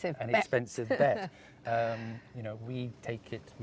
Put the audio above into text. jangkaan yang mahal